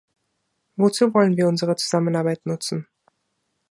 Wozu wollen wir unsere Zusammenarbeit nutzen?